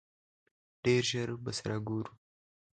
ډېر ژر به سره ګورو!